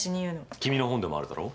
君の本でもあるだろ？